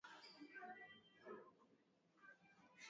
unaweza kuonekana kama ulikuwa uchaguzi ambao